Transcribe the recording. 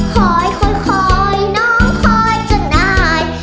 ขอยคอยคอยน้องคอยจนอาย